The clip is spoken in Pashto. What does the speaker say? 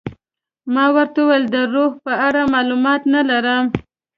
ما ورته وویل د روح په اړه معلومات نه لرم.